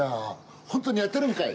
本当にやってるんかい。